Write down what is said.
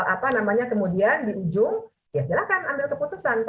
apa namanya kemudian di ujung ya silahkan ambil keputusan